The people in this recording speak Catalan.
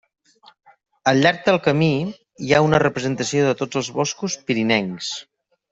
Al llarg del camí hi ha una representació de tots els boscos pirinencs.